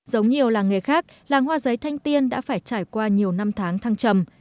giống nhiều làng nghề khác làng hoa giấy thanh tiên đã phải trải qua nhiều năm tháng thăng trầm